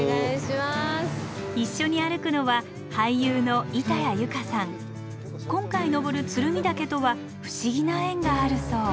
一緒に歩くのは今回登る鶴見岳とは不思議な縁があるそう。